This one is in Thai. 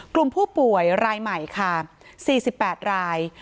กลุ่มผู้ป่วยรายใหม่ค่ะ๔๘ราย